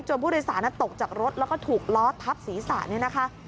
จนผู้โดยสารน่ะตกจากรถแล้วก็ถูกล้อทัพศรีศาสตร์เนี่ยนะคะ